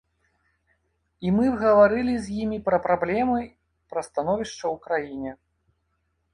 І мы гаварылі з імі пра праблемы, пра становішча ў краіне.